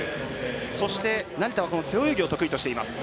そして、成田は背泳ぎを得意としています。